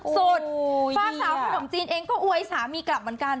ฝากสาวขนมจีนเองก็อวยสามีกลับเหมือนกัน